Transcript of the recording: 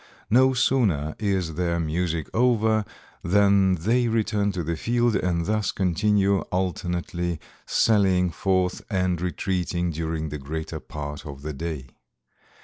No sooner is their music over than they return to the field, and thus continue alternately sallying forth and retreating during the greater part of the day.